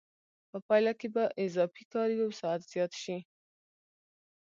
په پایله کې به اضافي کار یو ساعت زیات شي